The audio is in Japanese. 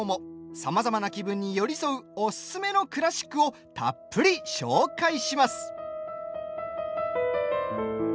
さまざまな気分に寄り添うおすすめのクラシックをたっぷり紹介します。